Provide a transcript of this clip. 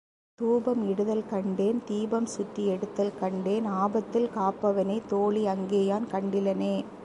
தூபம் இடுதல் கண்டேன் தீபம் சுற்றி எடுத்தல் கண்டேன் ஆபத்தில் காப்பவனைத் தோழி அங்கே யான் கண்டிலனே.